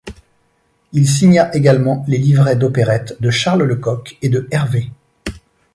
Il signa également les livrets d'opérettes de Charles Lecocq et de Hervé.